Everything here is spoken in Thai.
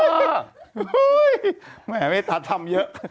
เฮ่ยแม่ตาทำเยอะ